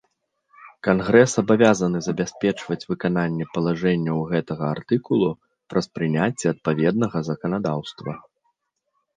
Кангрэс абавязаны забяспечваць выкананне палажэнняў гэтага артыкулу праз прыняцце адпаведнага заканадаўства.